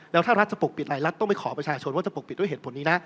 แล้วถ้ารัฐจะปกปิดรายรัฐต้องไปขอประชาชนว่าจะปกปิดด้วยเหตุผลนี้นะ